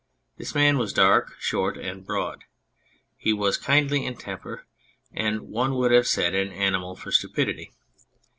This man was dark, short and broad ; he was kindly in temper and, one would have said, an animal for stupidity.